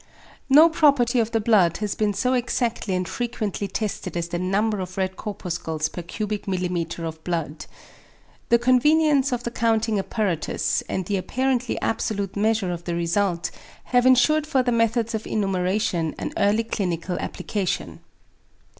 No property of the blood has been so exactly and frequently tested as the NUMBER OF RED CORPUSCLES PER CUBIC MILLIMETRE OF BLOOD. The convenience of the counting apparatus, and the apparently absolute measure of the result have ensured for the methods of enumeration an early clinical application.